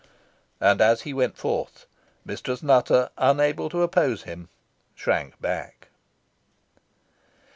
And as he went forth, Mistress Nutter, unable to oppose him, shrank back.